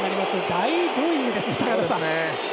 大ブーイングですね。